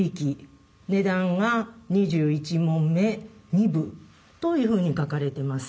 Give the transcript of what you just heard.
値段が「二十一匁二歩」というふうに書かれてます。